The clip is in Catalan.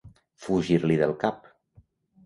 Fugir-li del cap.